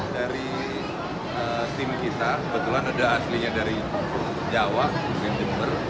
dari tim kita kebetulan ada aslinya dari jawa kemudian jember